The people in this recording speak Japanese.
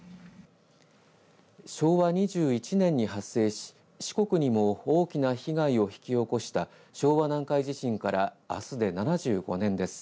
昭和２１年に発生し四国にも大きな被害を引き起こした昭和南海地震からあすで７５年です。